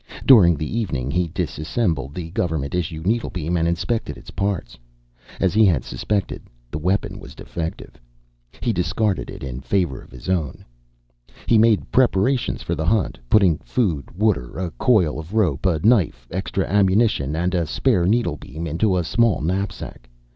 During the evening, he disassembled the government issue needlebeam and inspected its parts. As he had suspected the weapon was defective. He discarded it in favor of his own. He made his preparations for the Hunt, putting food, water, a coil of rope, a knife, extra ammunition, and a spare needlebeam into a small knapsack.